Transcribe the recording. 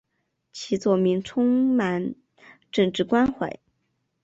其作品充满政治关怀。